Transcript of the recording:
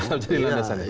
tetap jadi landasan